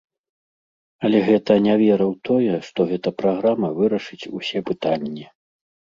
Але гэта не вера ў тое, што гэта праграма вырашыць усе пытанні.